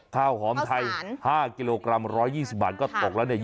ข้าวหอมไทยห้ากิโลกรัมร้อยยี่สิบบาทก็ตกแล้วเนี่ย